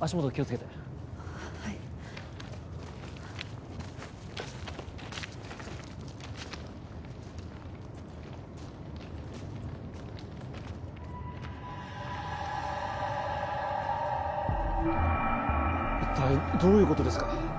足元気をつけてはい一体どういうことですか？